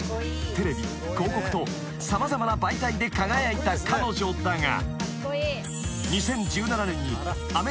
テレビ広告と様々な媒体で輝いた彼女だが］